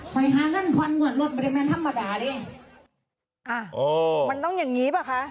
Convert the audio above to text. ไปหางั้นพันวันละประมาณธรรมดาดิอ่าโอ้มันต้องอย่างงี้ป่ะค่ะ